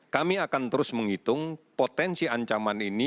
kami akan terus menghitung potensi ancaman ini